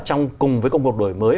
trong cùng với công cuộc đổi mới